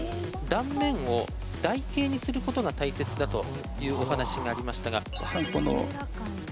断面を台形にすることが大切だというお話がありましたが。